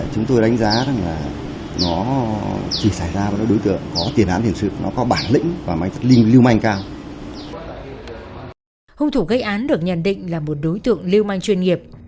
hung thủ gây án được nhận định là một đối tượng lưu manh chuyên nghiệp